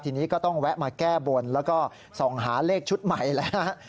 ทีนี้ก็ต้องแวะมาแก้บนแล้วก็ส่องหาเลขชุดใหม่แล้วฮะ